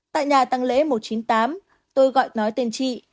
tại nhà tăng lễ một trăm chín mươi tám tôi gọi nói tên chị